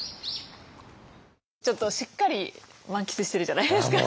ちょっとしっかり満喫してるじゃないですか。